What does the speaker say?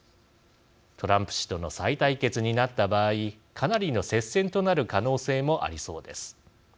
トランプ氏との再対決になった場合かなりの接戦となる可能性もありそうです。